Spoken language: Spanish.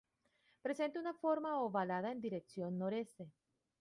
Presenta una forma ovalada en dirección nor-este.